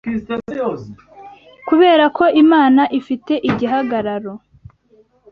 Kubera ko Imana ifite igihagararo